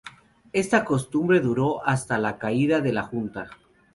Esta costumbre duró hasta la caída de la junta.